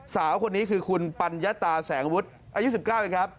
สาวคนนี้คือคุณปัญญาตาแสงวุฒิอายุ๑๙เองครับ